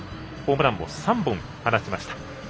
ホームランも３本放ちました。